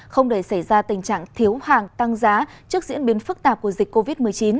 không để xảy ra tình trạng thiếu hàng tăng giá trước diễn biến phức tạp của dịch covid một mươi chín